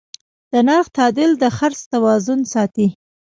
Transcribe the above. د نرخ تعدیل د خرڅ توازن ساتي.